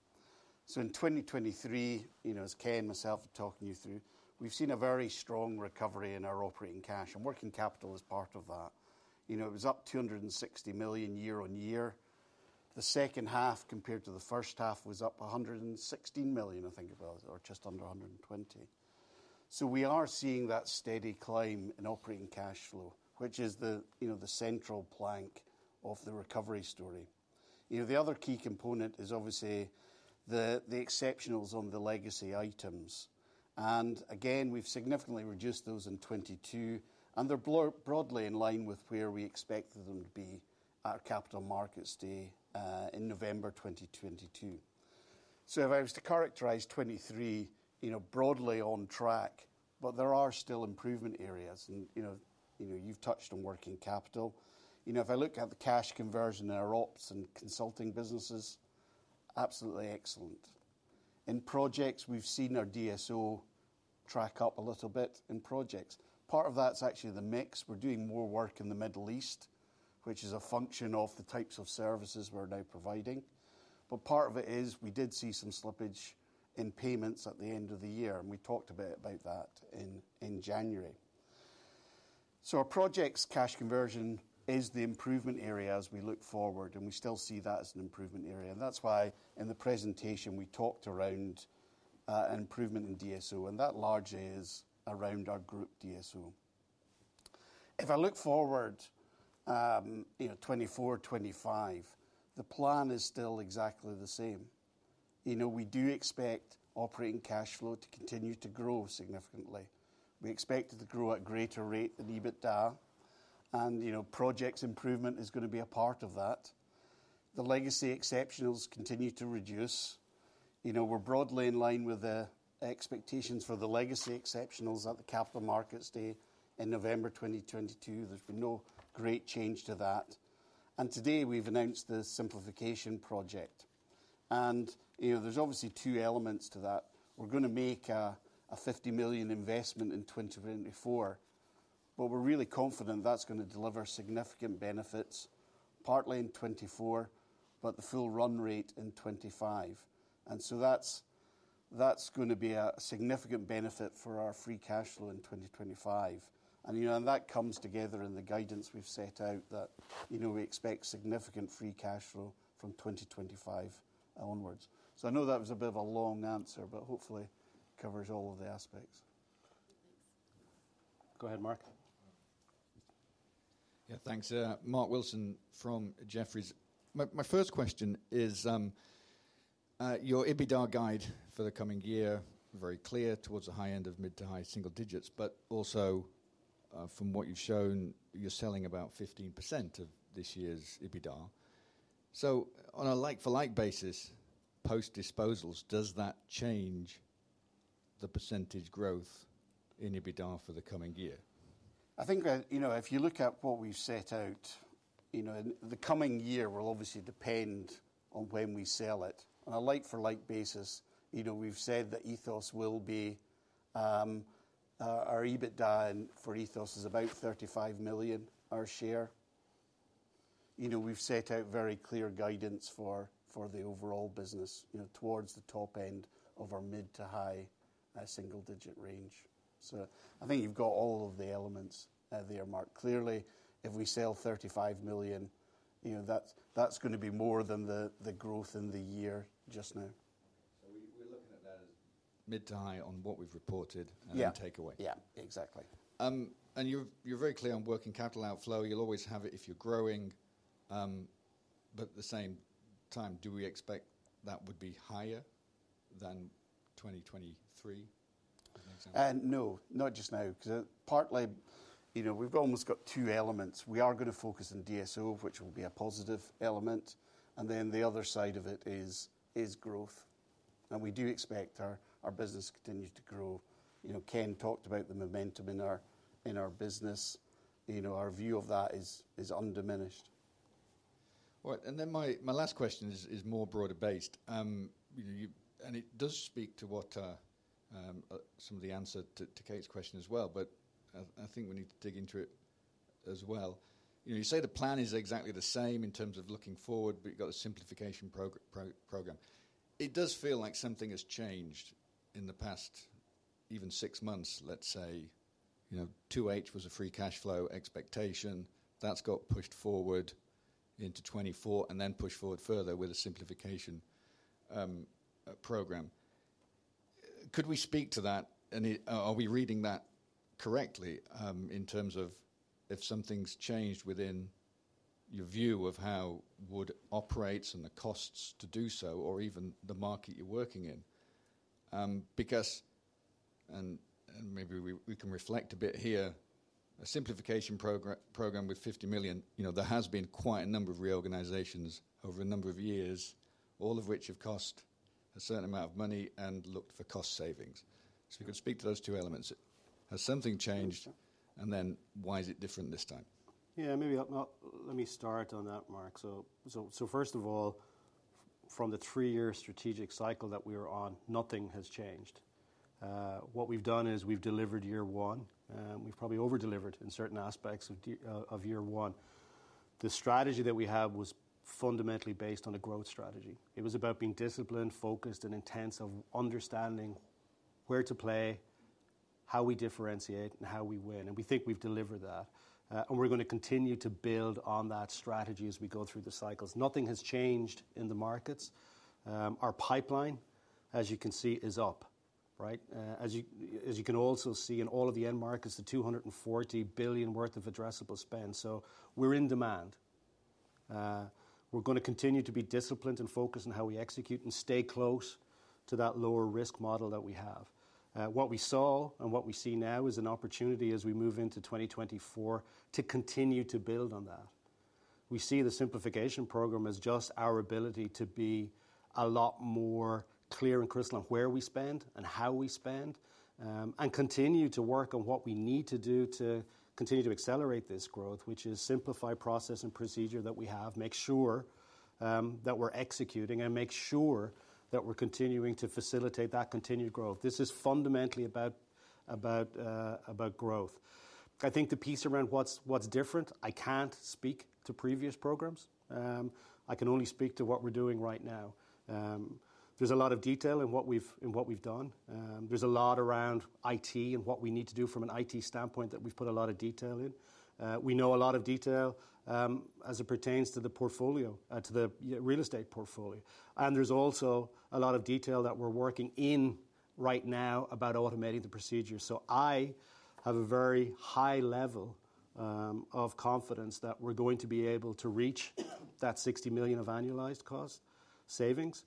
So in 2023, you know, as Ken and myself were talking you through, we've seen a very strong recovery in our operating cash, and working capital is part of that. You know, it was up $260 million year-on-year. The second half compared to the first half was up $116 million, I think it was, or just under $120 million. So we are seeing that steady climb in operating cash flow, which is the, you know, the central plank of the recovery story. You know, the other key component is obviously the exceptionals on the legacy items. And again, we've significantly reduced those in 2022, and they're broadly in line with where we expected them to be at Capital Markets Day in November 2022. So if I was to characterize 2023, you know, broadly on track, but there are still improvement areas and, you know, you know, you've touched on working capital. You know, if I look at the cash conversion in our ops and consulting businesses, absolutely excellent. In projects, we've seen our DSO track up a little bit in projects. Part of that's actually the mix. We're doing more work in the Middle East, which is a function of the types of services we're now providing. But part of it is we did see some slippage in payments at the end of the year, and we talked a bit about that in January. So our projects cash conversion is the improvement area as we look forward, and we still see that as an improvement area. That's why in the presentation we talked around an improvement in DSO, and that largely is around our group DSO. If I look forward, you know, 2024, 2025, the plan is still exactly the same. You know, we do expect operating cash flow to continue to grow significantly. We expect it to grow at greater rate than EBITDA, and, you know, projects improvement is going to be a part of that. The legacy exceptionals continue to reduce. You know, we're broadly in line with the expectations for the legacy exceptionals at the Capital Markets Day in November 2022. There's been no great change to that. And today, we've announced the simplification project, and, you know, there's obviously two elements to that. We're going to make a $50 million investment in 2024, but we're really confident that's going to deliver significant benefits, partly in 2024, but the full run rate in 2025. And so that's going to be a significant benefit for our free cash flow in 2025. And, you know, and that comes together in the guidance we've set out that, you know, we expect significant free cash flow from 2025 onwards. So I know that was a bit of a long answer, but hopefully covers all of the aspects. Go ahead, Mark. Yeah, thanks. Mark Wilson from Jefferies. My first question is, your EBITDA guide for the coming year, very clear, towards the high end of mid- to high-single-digits, but also, from what you've shown, you're selling about 15% of this year's EBITDA. So on a like-for-like basis, post-disposals, does that change the percentage growth in EBITDA for the coming year? I think, you know, if you look at what we've set out, you know, and the coming year will obviously depend on when we sell it. On a like-for-like basis, you know, we've said that Ethos will be, our EBITDA and for Ethos is about $35 million, our share. You know, we've set out very clear guidance for, for the overall business, you know, towards the top end of our mid to high, single-digit range. So I think you've got all of the elements, there, Mark. Clearly, if we sell $35 million, you know, that's, that's going to be more than the, the growth in the year just now. So we're looking at that as mid to high on what we've reported. Yeah. And take away. Yeah, exactly. You're very clear on working capital outflow. You'll always have it if you're growing, but at the same time, do we expect that would be higher than 2023, as an example? No, not just now, 'cause partly, you know, we've almost got two elements. We are going to focus on DSO, which will be a positive element, and then the other side of it is growth, and we do expect our business continues to grow. You know, Ken talked about the momentum in our business. You know, our view of that is undiminished. All right. And then my last question is more broader based. And it does speak to what some of the answer to Kate's question as well, but I think we need to dig into it as well. You know, you say the plan is exactly the same in terms of looking forward, but you've got a simplification program. It does feel like something has changed in the past, even six months, let's say. You know, 2H was a free cash flow expectation. That's got pushed forward into 2024 and then pushed forward further with a simplification program. Could we speak to that, and are we reading that correctly, in terms of if something's changed within your view of how Wood operates and the costs to do so or even the market you're working in? Because, and maybe we can reflect a bit here, a simplification program with $50 million, you know, there has been quite a number of reorganizations over a number of years, all of which have cost a certain amount of money and looked for cost savings. So if you could speak to those two elements. Has something changed, and then why is it different this time? Yeah, maybe. Let me start on that, Mark. So first of all from the three-year strategic cycle that we were on, nothing has changed. What we've done is we've delivered year one, we've probably over-delivered in certain aspects of year one. The strategy that we have was fundamentally based on a growth strategy. It was about being disciplined, focused, and intense of understanding where to play, how we differentiate, and how we win, and we think we've delivered that. And we're gonna continue to build on that strategy as we go through the cycles. Nothing has changed in the markets. Our pipeline, as you can see, is up, right? As you can also see in all of the end markets, the $240 billion worth of addressable spend, so we're in demand. We're gonna continue to be disciplined and focused on how we execute and stay close to that lower risk model that we have. What we saw and what we see now is an opportunity as we move into 2024, to continue to build on that. We see the simplification program as just our ability to be a lot more clear and crystal on where we spend and how we spend, and continue to work on what we need to do to continue to accelerate this growth, which is simplify process and procedure that we have, make sure that we're executing, and make sure that we're continuing to facilitate that continued growth. This is fundamentally about growth. I think the piece around what's different, I can't speak to previous programs. I can only speak to what we're doing right now. There's a lot of detail in what we've done. There's a lot around IT and what we need to do from an IT standpoint that we've put a lot of detail in. We know a lot of detail, as it pertains to the portfolio, to the real estate portfolio. There's also a lot of detail that we're working in right now about automating the procedure. I have a very high level of confidence that we're going to be able to reach that $60 million of annualized cost savings.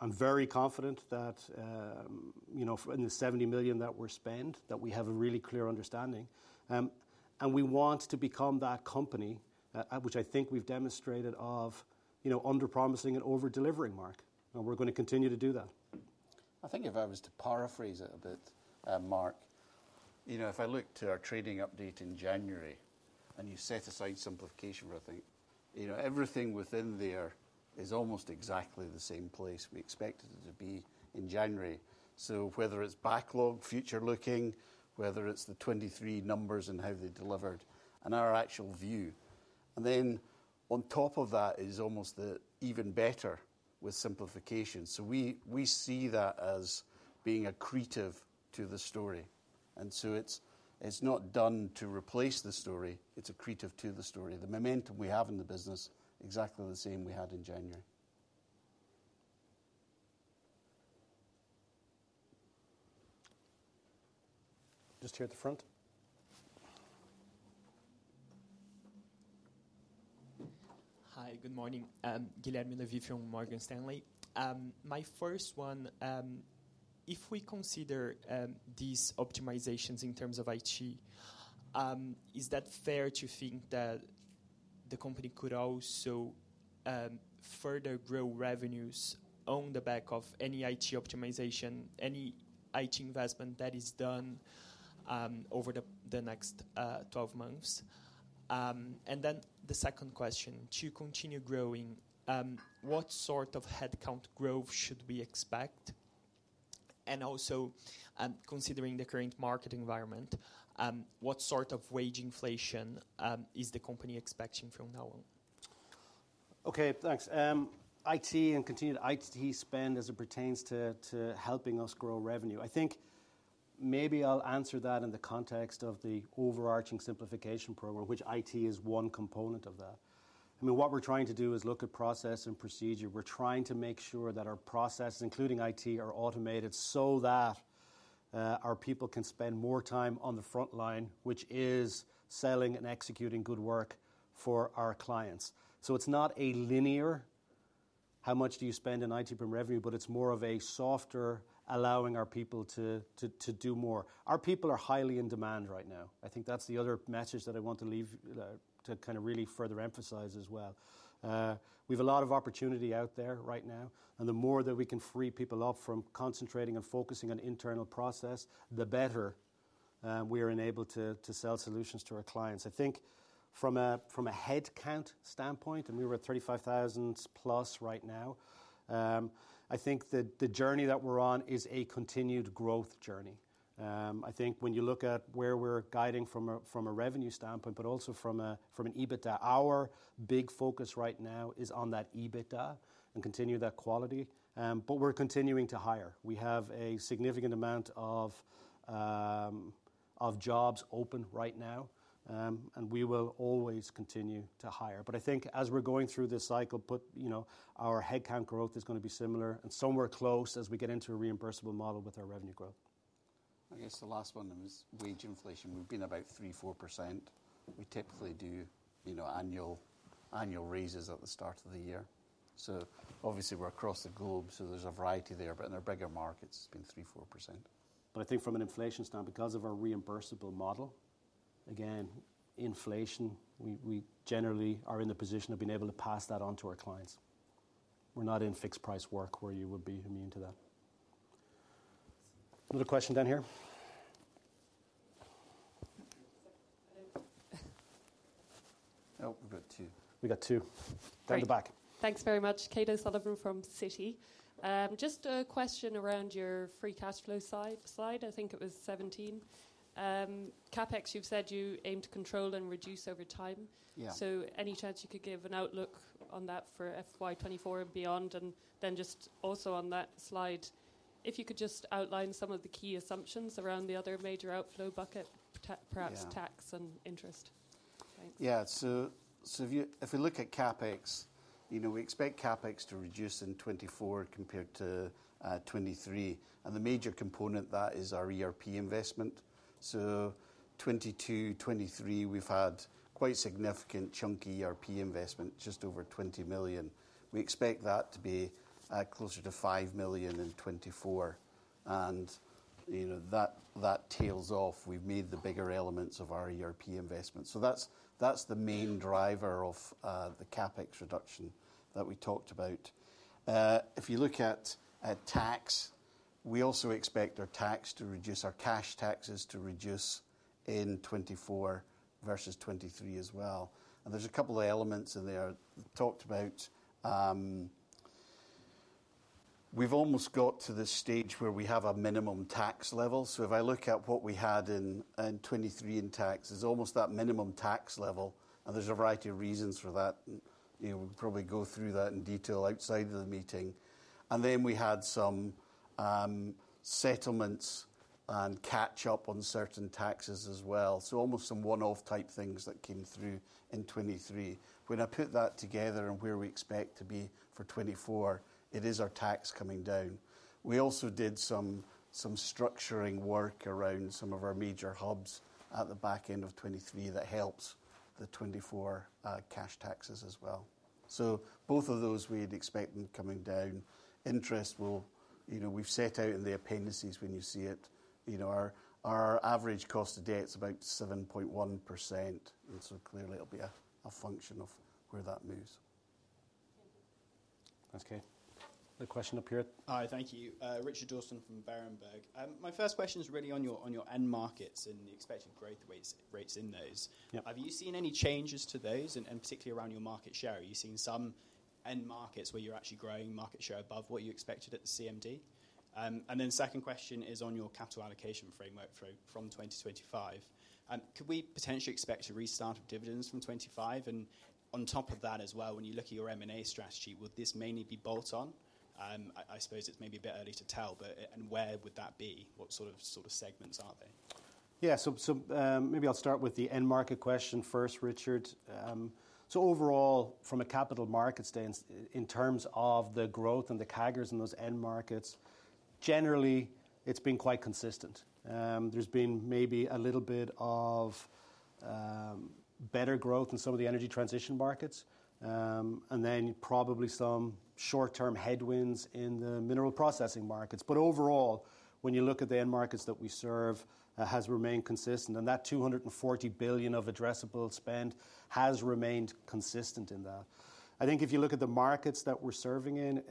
I'm very confident that, you know, in the $70 million that we're spending, that we have a really clear understanding. We want to become that company, which I think we've demonstrated of, you know, under-promising and over-delivering, Mark, and we're gonna continue to do that. I think if I was to paraphrase it a bit, Mark, you know, if I look to our trading update in January, and you set aside simplification, I think, you know, everything within there is almost exactly the same place we expected it to be in January. So whether it's backlog, future-looking, whether it's the 2023 numbers and how they delivered and our actual view, and then on top of that is almost the even better with simplification. So we, we see that as being accretive to the story, and so it's, it's not done to replace the story, it's accretive to the story. The momentum we have in the business, exactly the same we had in January. Just here at the front. Hi, good morning. Guilherme Levy from Morgan Stanley. My first one, if we consider these optimizations in terms of IT, is that fair to think that the company could also further grow revenues on the back of any IT optimization, any IT investment that is done over the next 12 months? And then the second question: to continue growing, what sort of headcount growth should we expect? And also, considering the current market environment, what sort of wage inflation is the company expecting from now on? Okay, thanks. IT and continued IT spend as it pertains to helping us grow revenue. I think maybe I'll answer that in the context of the overarching simplification program, which IT is one component of that. I mean, what we're trying to do is look at process and procedure. We're trying to make sure that our processes, including IT, are automated so that our people can spend more time on the front line, which is selling and executing good work for our clients. So it's not a linear, how much do you spend in IT per revenue, but it's more of a softer, allowing our people to do more. Our people are highly in demand right now. I think that's the other message that I want to leave to kind of really further emphasize as well. We've a lot of opportunity out there right now, and the more that we can free people up from concentrating and focusing on internal process, the better we are enabled to, to sell solutions to our clients. I think from a, from a headcount standpoint, and we're at 35,000+ right now, I think that the journey that we're on is a continued growth journey. I think when you look at where we're guiding from a, from a revenue standpoint, but also from a, from an EBITDA, our big focus right now is on that EBITDA and continue that quality. But we're continuing to hire. We have a significant amount of, of jobs open right now, and we will always continue to hire. But I think as we're going through this cycle, you know, our headcount growth is gonna be similar and somewhere close as we get into a reimbursable model with our revenue growth. I guess the last one was wage inflation. We've been about 3%-4%. We typically do, you know, annual, annual raises at the start of the year. So obviously, we're across the globe, so there's a variety there, but in our bigger markets, it's been 3%-4%. But I think from an inflation standpoint, because of our reimbursable model, again, inflation, we generally are in the position of being able to pass that on to our clients. We're not in fixed-price work where you would be immune to that. Another question down here? Oh, we've got two. We got two. Great. At the back. Thanks very much. Kate O'Sullivan from Citi. Just a question around your free cash flow side, slide, I think it was 17. CapEx, you've said you aim to control and reduce over time? Yeah. Any chance you could give an outlook on that for FY 2024 and beyond? Then just also on that slide, if you could just outline some of the key assumptions around the other major outflow bucket. Yeah Perhaps tax and interest. Thanks. Yeah. So, so if you, if we look at CapEx, you know, we expect CapEx to reduce in 2024 compared to 2023. And the major component of that is our ERP investment. So 2022, 2023, we've had quite significant chunky ERP investment, just over $20 million. We expect that to be closer to $5 million in 2024, and, you know, that tails off. We've made the bigger elements of our ERP investment. So that's, that's the main driver of the CapEx reduction that we talked about. If you look at tax, we also expect our tax to reduce, our cash taxes to reduce in 2024 versus 2023 as well. And there's a couple of elements in there. I talked about. We've almost got to the stage where we have a minimum tax level. So if I look at what we had in 2023 in tax, it's almost that minimum tax level, and there's a variety of reasons for that. You know, we'll probably go through that in detail outside of the meeting. And then we had some settlements and catch up on certain taxes as well. So almost some one-off type things that came through in 2023. When I put that together and where we expect to be for 2024, it is our tax coming down. We also did some structuring work around some of our major hubs at the back end of 2023 that helps the 2024 cash taxes as well. So both of those, we'd expect them coming down. Interest will, you know, we've set out in the appendices when you see it, you know, our average cost to date is about 7.1%. And so clearly it'll be a function of where that moves. Okay. The question up here. Hi, thank you. Richard Dawson from Berenberg. My first question is really on your end markets and the expected growth rates in those. Yeah. Have you seen any changes to those, and particularly around your market share? Are you seeing some end markets where you're actually growing market share above what you expected at the CMD? And then second question is on your capital allocation framework through, from 2025. Could we potentially expect a restart of dividends from 2025? And on top of that as well, when you look at your M&A strategy, would this mainly be bolt-on? I suppose it's maybe a bit early to tell, but and where would that be? What sort of segments are they? Yeah. So, maybe I'll start with the end market question first, Richard. So overall, from a capital market stance, in terms of the growth and the CAGRs in those end markets, generally, it's been quite consistent. There's been maybe a little bit of better growth in some of the energy transition markets, and then probably some short-term headwinds in the mineral processing markets. But overall, when you look at the end markets that we serve, has remained consistent, and that $240 billion of addressable spend has remained consistent in that. I think if you look at the markets that we're serving in,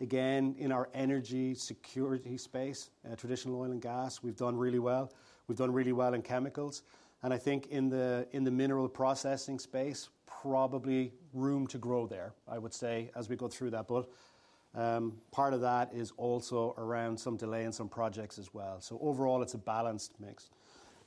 again, in our energy security space, traditional oil and gas, we've done really well. We've done really well in chemicals, and I think in the mineral processing space, probably room to grow there, I would say, as we go through that. But part of that is also around some delay in some projects as well. So overall, it's a balanced mix.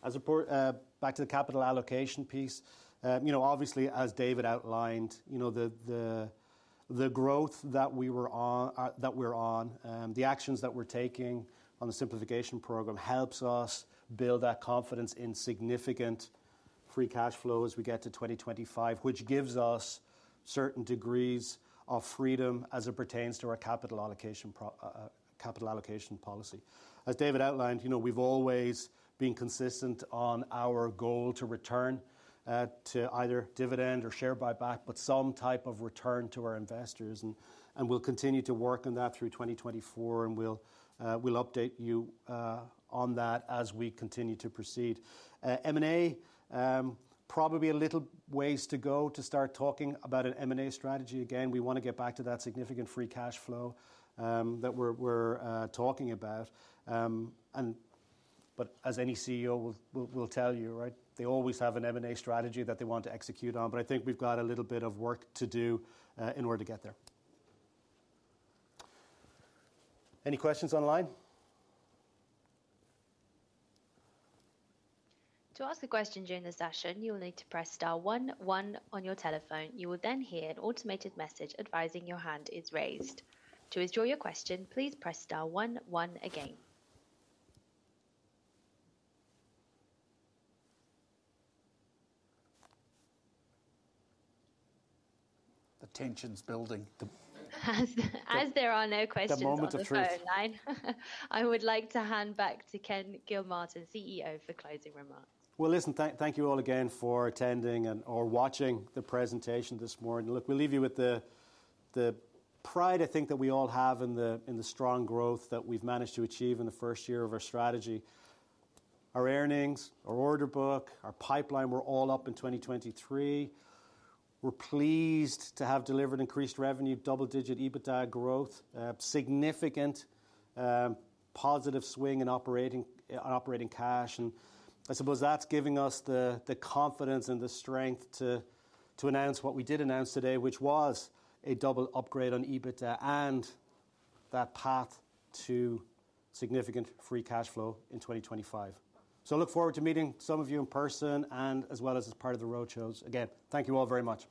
Back to the capital allocation piece, you know, obviously, as David outlined, you know, the growth that we're on, the actions that we're taking on the simplification program helps us build that confidence in significant free cash flow as we get to 2025, which gives us certain degrees of freedom as it pertains to our capital allocation policy. As David outlined, you know, we've always been consistent on our goal to return to either dividend or share buyback, but some type of return to our investors. And we'll continue to work on that through 2024, and we'll update you on that as we continue to proceed. M&A, probably a little ways to go to start talking about an M&A strategy. Again, we wanna get back to that significant free cash flow that we're talking about. And but as any CEO will tell you, right, they always have an M&A strategy that they want to execute on. But I think we've got a little bit of work to do in order to get there. Any questions online? To ask a question during the session, you will need to press star one one on your telephone. You will then hear an automated message advising your hand is raised. To withdraw your question, please press star one one again. The tension's building. As there are no questions on the phone line- The moment of truth I would like to hand back to Ken Gilmartin, CEO, for closing remarks. Well, listen, thank you all again for attending and/or watching the presentation this morning. Look, we leave you with the pride I think that we all have in the strong growth that we've managed to achieve in the first year of our strategy. Our earnings, our order book, our pipeline were all up in 2023. We're pleased to have delivered increased revenue, double-digit EBITDA growth, significant positive swing in operating cash. And I suppose that's giving us the confidence and the strength to announce what we did announce today, which was a double upgrade on EBITDA and that path to significant free cash flow in 2025. So I look forward to meeting some of you in person and as well as part of the roadshows. Again, thank you all very much.